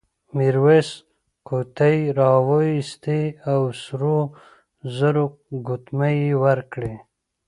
میرويس قوطۍ راوایستې او سرو زرو ګوتمۍ یې ورکړې.